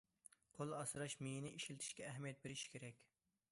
قول ئاسراش مېيىنى ئىشلىتىشكە ئەھمىيەت بېرىش كېرەك.